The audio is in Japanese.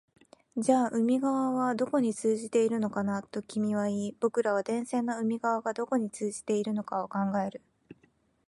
じゃあ海側はどこに通じているのかな、と君は言い、僕らは電線の海側がどこに通じているのか考える